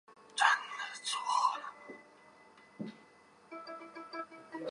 科林蒂安队的主场位于该体育场。